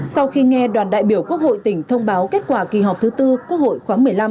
sau khi nghe đoàn đại biểu quốc hội tỉnh thông báo kết quả kỳ họp thứ tư quốc hội khóa một mươi năm